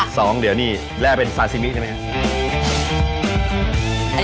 สองเดี๋ยวนี่แร่เป็นซาซิมิได้มั้ยครับ